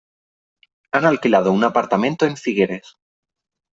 Han alquilado un apartamento en Figueres.